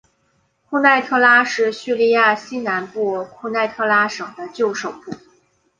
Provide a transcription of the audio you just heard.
库奈特拉是叙利亚西南部库奈特拉省的旧首都。